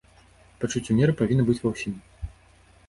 Пачуццё меры павінна быць ва ўсім.